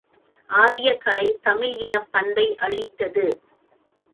ஆரியக்கலை தமிழ் இனப்பண்பை அழித்தது.